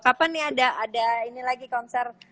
kapan nih ada ini lagi konser